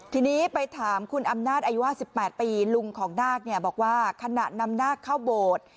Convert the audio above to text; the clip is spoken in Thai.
ทีนี้ไปถามคุณอำนาจอายุ๕๘ปีลุงของนาคบอกว่าขณะนำนาคเข้าโบสถ์